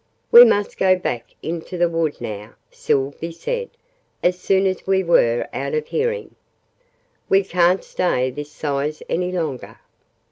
"We must go back into the wood, now," Sylvie said, as soon as we were out of hearing. "We ca'n't stay this size any longer."